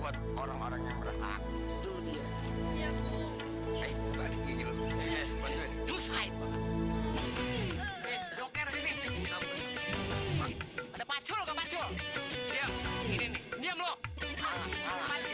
buat orang orang yang merah